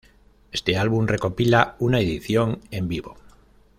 Este álbum recopila una edición en vivo.